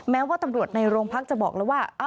แม้ว่าตำรวจในโรงพักจะบอกแล้วว่า